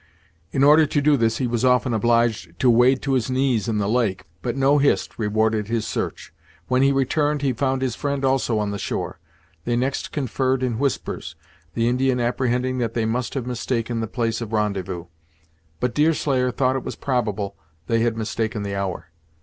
In order to do this, he was often obliged to wade to his knees in the lake, but no Hist rewarded his search. When he returned, he found his friend also on the shore. They next conferred in whispers, the Indian apprehending that they must have mistaken the place of rendezvous. But Deerslayer thought it was probable they had mistaken the hour.